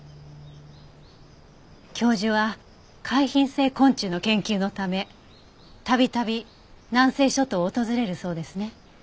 教授は海浜性昆虫の研究のため度々南西諸島を訪れるそうですね。